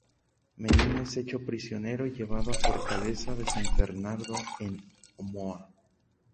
Medina es hecho prisionero y llevado a Fortaleza de San Fernando en Omoa.